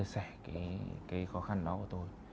sẻ cái khó khăn đó của tôi